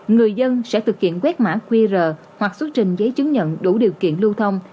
người dân sẽ thực hiện quét mã qr hoặc xuất trình giấy chứng nhận đủ điều kiện lưu thông